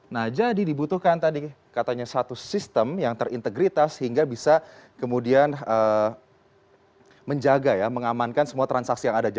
nah jadi dibutuhkan tadi katanya satu sistem yang terintegritas sehingga bisa kemudian menjaga ya mengamankan semua transaksi yang ada